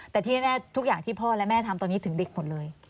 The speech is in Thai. แต่ที่แน่ทุกอย่างที่พ่อและแม่ทำตอนนี้ถึงเด็กหมดเลย